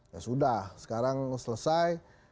ya sudah sekarang selesai